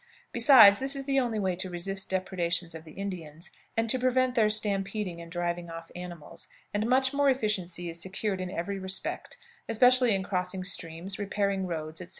Besides, this is the only way to resist depredations of the Indians, and to prevent their stampeding and driving off animals; and much more efficiency is secured in every respect, especially in crossing streams, repairing roads, etc.